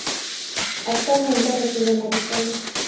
Actualmente reside en Arizona.